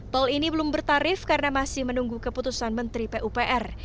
tol ini belum bertarif karena masih menunggu keputusan menteri pupr